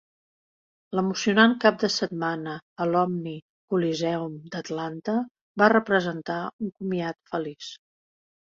L'emocionant cap de setmana a l'Omni Coliseum d'Atlanta va representar un comiat feliç.